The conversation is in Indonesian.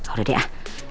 oh udah deh ah